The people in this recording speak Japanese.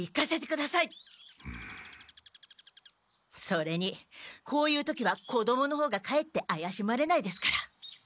それにこういう時は子どもの方がかえってあやしまれないですから。